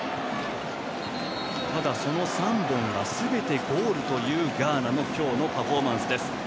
ただ、その３本がすべてボールというガーナの今日のパフォーマンス。